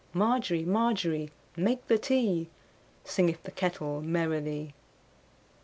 Margery, Margery, make the tea, Singeth the kettle merrily.